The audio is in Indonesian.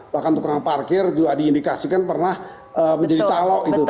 bahkan tukang parkir juga diindikasikan pernah menjadi calok gitu